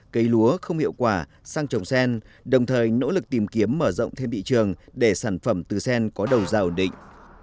cây lúa không hiệu quả sang trồng sen đồng thời nỗ lực tìm kiếm mở rộng thêm bị trường để sản phẩm từ sen có đầu giàu định